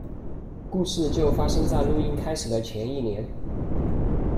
故事就发生在录音开始的前一年。